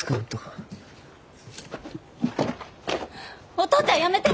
お父ちゃんやめて！